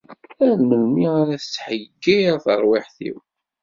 Ar melmi ara tetḥeyyir terwiḥt-iw.